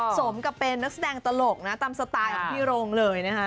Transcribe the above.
สมกับเป็นนักแสดงตลกนะตามสไตล์ของพี่โรงเลยนะคะ